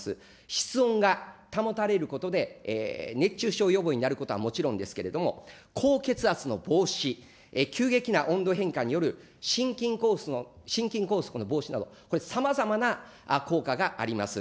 室温が保たれることで、熱中症予防になることはもちろんですけれども、高血圧の防止、急激な温度変化による心筋梗塞の防止など、これ、さまざまな効果があります。